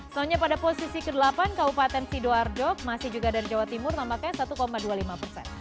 soalnya pada posisi ke delapan kabupaten sidoarjo masih juga dari jawa timur tampaknya satu dua puluh lima persen